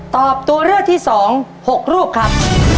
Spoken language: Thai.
ตอบตัวเลือดที่สองหกรูปครับ